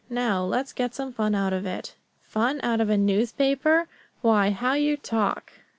Now let's get some fun out of it." "Fun out of a newspaper! Why, how you talk."